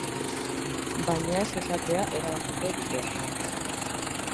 Baina ez esatea erabakiko dute.